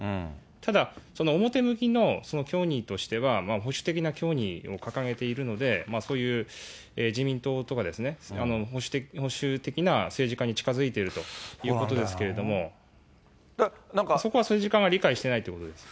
ただ表向きの教義としては、保守的な教義を掲げているので、そういう自民党とか保守的な政治家に近づいているということですけれども、そこは政治家が理解してないっていうことです。